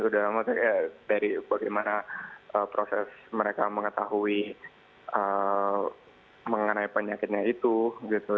dalam konteks dari bagaimana proses mereka mengetahui mengenai penyakitnya itu gitu